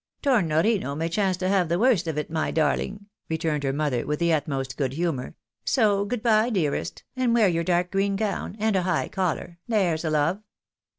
" Tornorino may chance to have the worst of it, my darUng," returned her mother with the utmost good humour ;" so good by, dearest, and wear your dark green gown, and a high collar, there's a love."